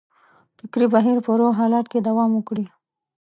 فکري بهیر په روغ حالت کې دوام وکړي.